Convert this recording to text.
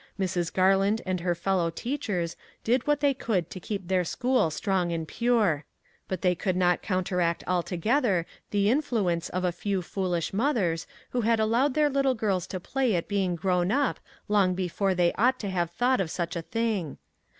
Mrs. Garland and her fellow teachers did what they could to keep their school strong and pure; but they could not counteract altogether the influence of a few foolish mothers who had allowed their little girls to play at being grown up long before they ought to have thought of such a thing.